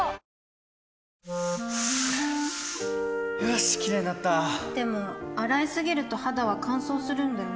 よしキレイになったでも、洗いすぎると肌は乾燥するんだよね